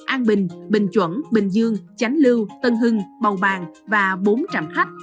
an bình bình chuẩn bình dương chánh lưu tân hưng bầu bàng và bốn trạm khách